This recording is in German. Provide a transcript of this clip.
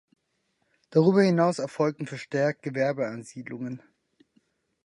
Darüber hinaus erfolgten verstärkt Gewerbeansiedlungen.